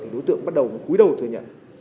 đối tượng bắt đầu cuối đầu thừa nhận